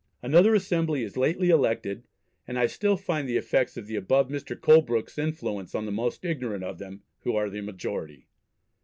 Another Assembly is lately elected, and [I] still find the effects of the above Mr. Colebrooke's influence on the most ignorant of them, who are the majority."